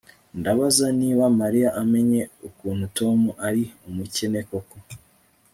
Ndabaza niba Mariya amenye ukuntu Tom ari umukene koko